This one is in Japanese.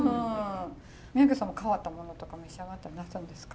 三宅さんも変わったものとか召し上がったりなさるんですか？